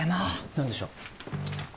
何でしょう？